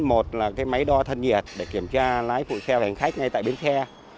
một là cái máy đo thân nhiệt để kiểm tra lái phụ xe hành khách ngay tại bến xe